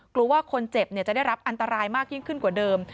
กลัวว่าคนเจ็บจะได้รับอันตรายมากยิ่งขึ้นกว่าเดิม